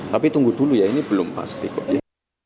tapi tunggu dulu ya ini belum pasti kok ya